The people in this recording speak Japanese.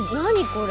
これ。